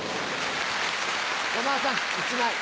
山田さん１枚。